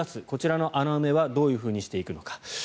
こちらの穴埋めはどういうふうにしていくのか。